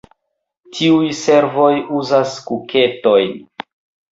Tiuj servoj uzas kuketojn.